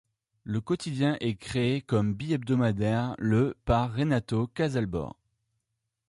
Le quotidien est créé comme bihebdomadaire le par Renato Casalbore.